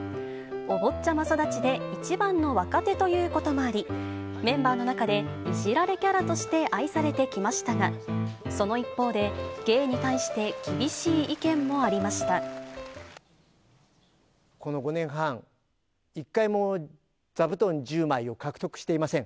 お坊ちゃま育ちで一番の若手ということもあり、メンバーの中でいじられキャラとして愛されてきましたが、その一方で、芸に対してこの５年半、一回も座布団１０枚を獲得していません。